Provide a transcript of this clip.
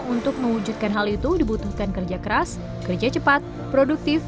untuk mewujudkan hal itu dibutuhkan kerja keras kerja cepat produktif